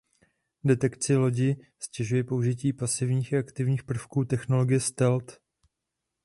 Detekci lodi ztěžuje použití pasivních i aktivních prvků technologie stealth.